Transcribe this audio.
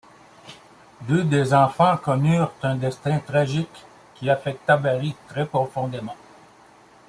Deux des enfants connurent un destin tragique qui affecta Barrie très profondément.